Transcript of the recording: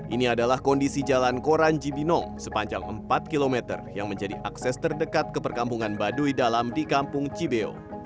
ini adalah kondisi jalan koran jibinong sepanjang empat km yang menjadi akses terdekat ke perkampungan baduy dalam di kampung cibeo